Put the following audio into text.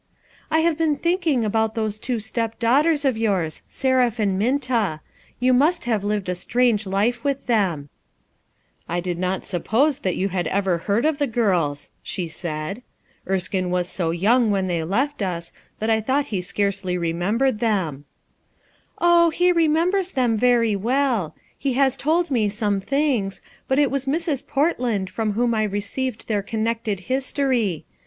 "I have been thinking about those two step daughters of. yours, Seraph and Minta. You must have lived a strange life with them." Ruth turned surprised eyes upon her. "I did not suppose that you had ever heard of the girls," she said. "Erskine was so young when they left us that I thought he scarcely remembered them/' f 0h, he remembers them very well He has told me some things; but it was Mrs. Portland from whom I received their connected history.